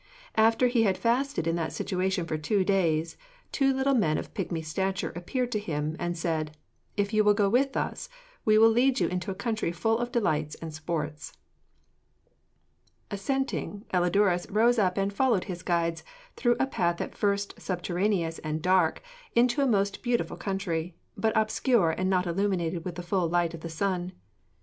After he had fasted in that situation for two days, 'two little men of pigmy stature appeared to him,' and said, 'If you will go with us, we will lead you into a country full of delights and sports.' Assenting, Elidurus rose up and 'followed his guides through a path at first subterraneous and dark, into a most beautiful country, but obscure and not illuminated with the full light of the sun.'